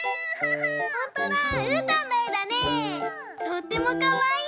とってもかわいい！